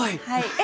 はい。